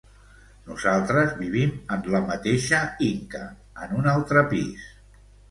Nosaltres vivim en la mateixa Inca, en un altre pis.